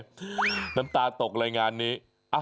น้ำตาตกเลยงานนี้